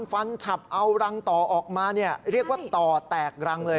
ฟันฉับเอารังต่อออกมาเรียกว่าต่อแตกรังเลย